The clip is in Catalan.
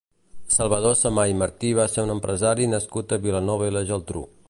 Salvador Samà i Martí va ser un empresari nascut a Vilanova i la Geltrú.